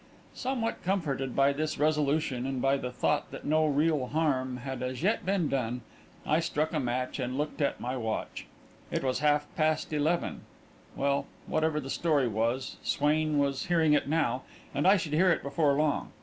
Somewhat comforted by this resolution and by the thought that no real harm had as yet been done, I struck a match and looked at my watch. It was half past eleven. Well, whatever the story was, Swain was hearing it now, and I should hear it before long.